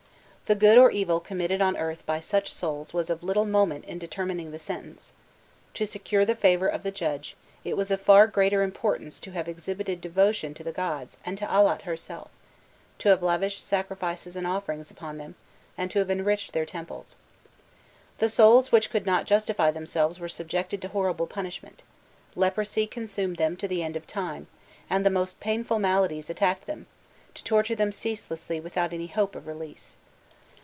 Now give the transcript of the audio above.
The good or evil committed on earth by such souls was of little moment in determining the sentence: to secure the favour of the judge, it was of far greater importance to have exhibited devotion to the gods and to Allat herself, to have lavished sacrifices and offerings upon them and to have enriched their temples. The souls which could not justify themselves were subjected to horrible punishment: leprosy consumed them to the end of time, and the most painful maladies attacked them, to torture them ceaselessly without any hope of release.